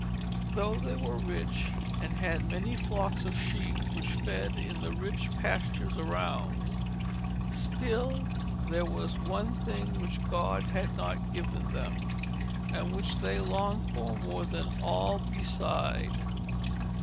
Though they were rich and had many flocks of sheep which fed in the rich pastures around, still there was one thing which God had not given them and which they longed for more than all beside.